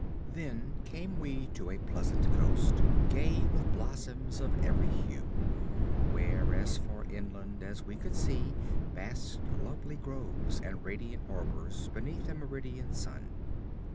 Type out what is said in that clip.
Then came we to a pleasant coast gay with blossoms of every hue, where as far inland as we could see basked lovely groves and radiant arbors beneath a meridian sun.